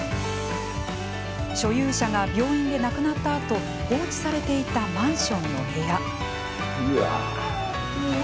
所有者が病院で亡くなったあと放置されていたマンションの部屋。